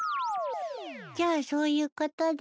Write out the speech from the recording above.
じゃあそういうことで。